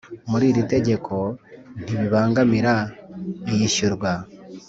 muri iri tegeko ntibibangamira iyishyurwa